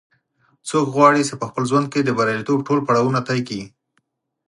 څوک غواړي چې په خپل ژوند کې د بریالیتوب ټول پړاوونه طې کړي